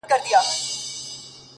o په سپورمۍ كي ستا تصوير دى،